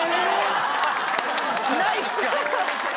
ないっすか？